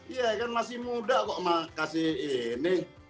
iya kan masih muda kok kasih ini